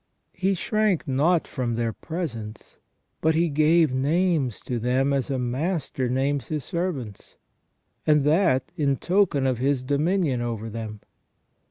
He shrank not from their presence, but he gave names to them as a master names his servants, and that in token of his dominion over them.